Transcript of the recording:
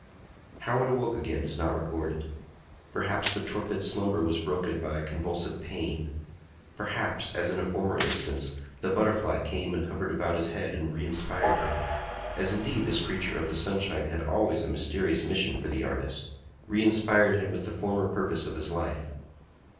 How it awoke again is not recorded. Perhaps the torpid slumber was broken by a convulsive pain. Perhaps, as in a former instance, the butterfly came and hovered about his head and reinspired him,—as indeed this creature of the sunshine had always a mysterious mission for the artist,—reinspired him with the former purpose of his life.